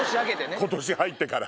今年入ってから。